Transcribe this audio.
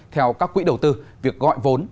theo các quỹ đầu tư việc gọi vốn